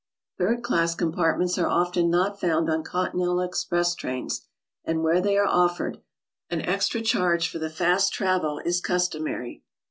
Third class compartments are often not found on Con tinental express trains, and where they are offered, an extra charge for the fast travel is customary.